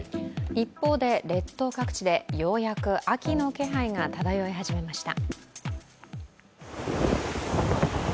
一方で列島各地でようやく秋の気配が漂い始めました。